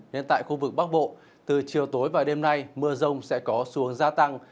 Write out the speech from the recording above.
nên tại khu vực bắc bộ từ chiều tối vào đêm nay mưa rông sẽ có xu hướng gia tăng